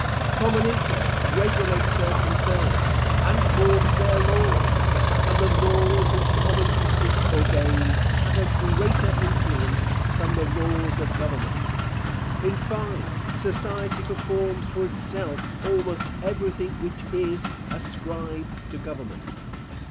Common interest regulates their concerns, and forms their law; and the laws which common usage ordains, have a greater influence than the laws of government. In fine, society performs for itself almost everything which is ascribed to government.